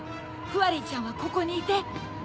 フワリーちゃんはここにいて。